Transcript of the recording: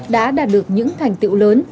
đã đạt được những thành tựu lớn